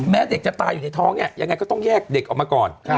เด็กจะตายอยู่ในท้องเนี่ยยังไงก็ต้องแยกเด็กออกมาก่อน